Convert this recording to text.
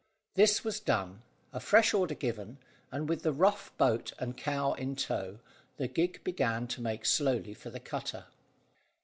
This was done, a fresh order given, and, with the rough boat and cow in tow, the gig began to make slowly for the cutter.